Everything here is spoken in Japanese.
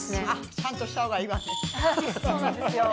ちゃんとしたほうがいいわね。